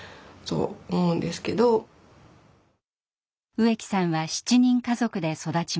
植木さんは７人家族で育ちました。